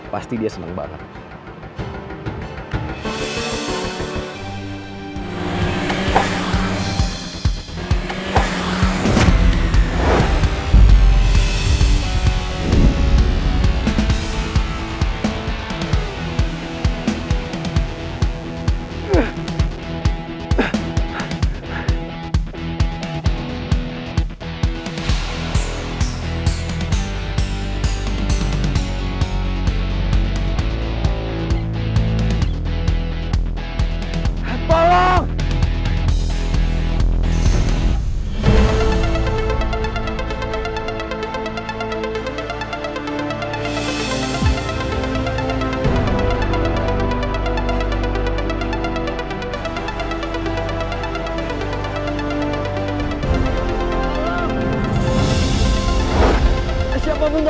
pasti dia seneng banget